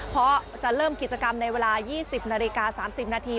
เพราะจะเริ่มกิจกรรมในเวลา๒๐นาฬิกา๓๐นาที